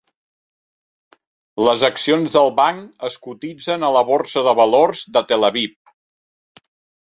Les accions del banc es cotitzen a la Borsa de Valors de Tel Aviv.